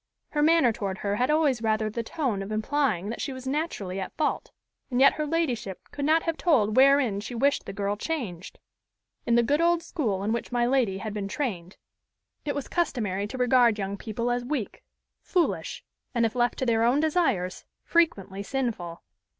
Her manner toward her had always rather the tone of implying that she was naturally at fault, and yet her ladyship could not have told wherein she wished the girl changed. In the good old school in which my lady had been trained, it was customary to regard young people as weak, foolish, and, if left to their own desires, frequently sinful.